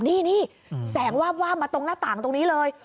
นี่แสงวาบมาตรงหน้าต่างตรงนี้เลย